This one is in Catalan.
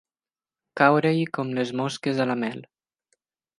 Caure-hi com les mosques a la mel.